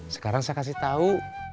sekarang saya kasih tau